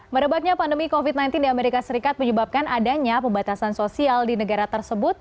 merebaknya pandemi covid sembilan belas di amerika serikat menyebabkan adanya pembatasan sosial di negara tersebut